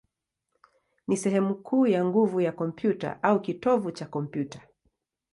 ni sehemu kuu ya nguvu ya kompyuta, au kitovu cha kompyuta.